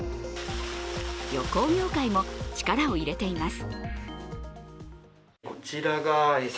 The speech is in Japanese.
旅行業界も力を入れています。